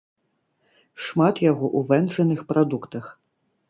Шмат яго у вэнджаных прадуктах.